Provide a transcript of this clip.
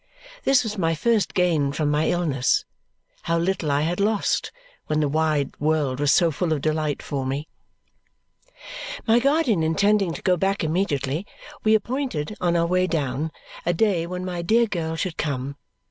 This was my first gain from my illness. How little I had lost, when the wide world was so full of delight for me. My guardian intending to go back immediately, we appointed, on our way down, a day when my dear girl should come.